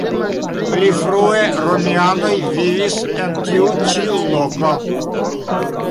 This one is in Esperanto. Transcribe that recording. Pli frue romianoj vivis en tiu ĉi loko.